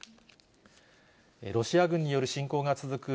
ロシア軍による侵攻が続く